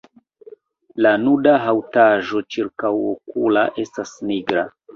La nuda haŭtaĵo ĉirkaŭokula estas nigra.